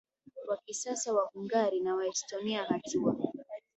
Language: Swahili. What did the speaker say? wa kisasa Wahungari na Waestonia Hatua